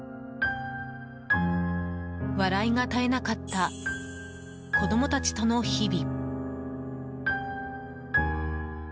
笑いが絶えなかった子供たちとの日々。